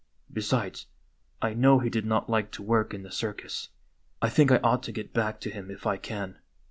Besides, I know he did not like to work in the circus. I think I ought to get back to him if I can.